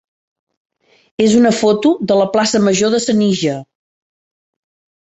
és una foto de la plaça major de Senija.